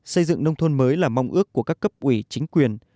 xây dựng nông thôn mới là mong ước của các cấp ủy chính quyền